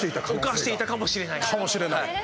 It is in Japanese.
犯していたかもしれないです。